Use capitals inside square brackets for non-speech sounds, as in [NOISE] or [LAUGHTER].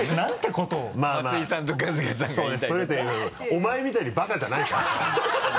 「お前みたいにバカじゃないから」て [LAUGHS]